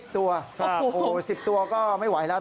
๑๐ตัวโอ้โฮ๑๐ตัวก็ไม่ไหวแล้ว